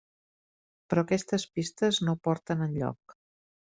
Però aquestes pistes no porten enlloc.